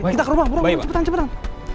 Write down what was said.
kita kerubah burang cepetan cepetan